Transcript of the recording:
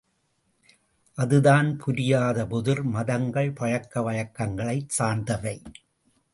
அதுதான் புரியாத புதிர் மதங்கள் பழக்க வழக்கங்களைச் சார்ந்தவை.